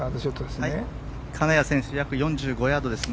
金谷選手約４５ヤードですね。